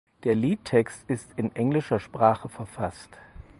Der Liedtext ist in englischer Sprache verfasst.